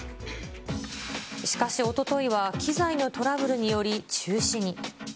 しかし、おとといは機材のトラブルにより中止に。